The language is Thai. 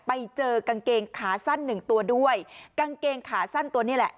ไปเจอกางเกงขาสั้นหนึ่งตัวด้วยกางเกงขาสั้นตัวนี้แหละ